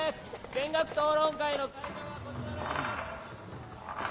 全学討論会の会場はこちらです！